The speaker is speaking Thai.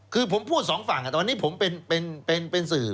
คือผมพูดสองฝั่งแต่วันนี้ผมเป็นสื่อ